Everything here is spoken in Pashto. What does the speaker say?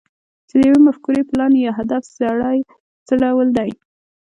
چې د يوې مفکورې، پلان، يا هدف زړی څه ډول دی؟